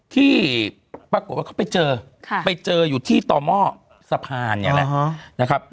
ที่ปรากฏว่าเขาไปเจอไปเจออยู่ที่ต่อหม้อสะพานเนี่ยแหละนะครับ